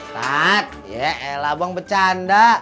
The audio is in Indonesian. tati ya elah abang bercanda